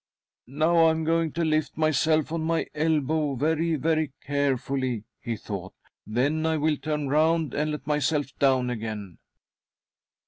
"Now I am going to lift myself on my elbow very, very carefully," he thought; "then Twill turn round and let myself down again."